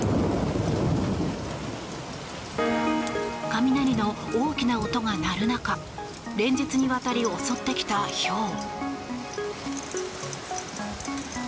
雷の大きな音が鳴る中連日にわたり襲ってきたひょう。